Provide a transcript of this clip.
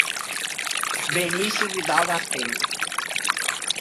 Benicio Vidal da Penha